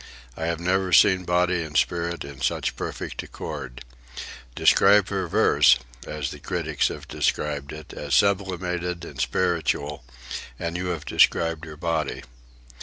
I have never seen body and spirit in such perfect accord. Describe her verse, as the critics have described it, as sublimated and spiritual, and you have described her body.